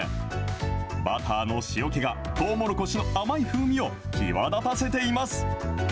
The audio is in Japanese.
バターの塩気が、とうもろこしの甘い風味を際だたせています。